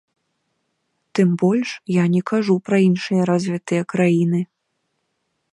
Тым больш я не кажу пра іншыя развітыя краіны.